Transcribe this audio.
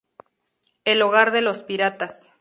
El hogar de los piratas.